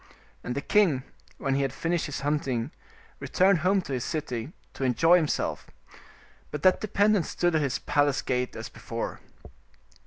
And the king, when he had finished his hunting, returned home to his city, to enjoy himself, but that dependent stood at his palace gate as before.